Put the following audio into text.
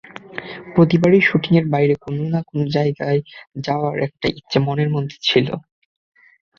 প্রতিবারই শুটিংয়ের বাইরে কোনো না-কোনো জায়গায় যাওয়ার একটা ইচ্ছে মনের মধ্যে ছিল।